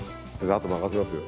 あと任せますよ。